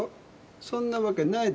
そんなわけないでしょ。